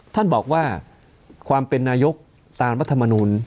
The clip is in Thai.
ท่านบอกว่าความเป็นนายกตามรัฐมนูล